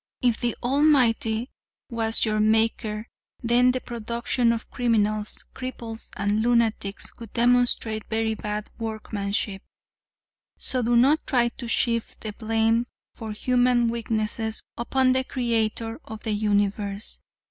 If the Almighty was your maker then the production of criminals, cripples and lunatics would demonstrate very bad workmanship, so do not try to shift the blame for human weakness upon the Creator of the universe.